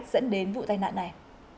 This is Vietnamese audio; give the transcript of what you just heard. dẫn đến vụ tai nạn này